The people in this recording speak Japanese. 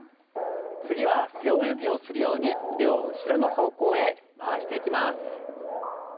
次は背泳ぎをするように腕を後ろの方向へ回していきます。